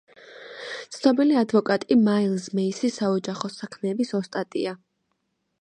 ცნობილი ადვოკატი მაილზ მეისი საოჯახო საქმეების ოსტატია.